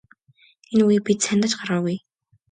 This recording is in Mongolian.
Энэ үгийг бид сайндаа ч гаргаагүй.